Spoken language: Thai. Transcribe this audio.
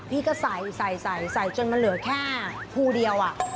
พี่ก็ใส่ใส่จนมันเหลือแค่ภูเดียว